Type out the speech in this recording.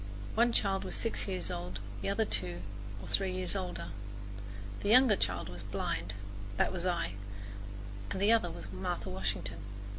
One child was six years old, the other two or three years older. The younger child was blind that was I and the other was Martha Washington.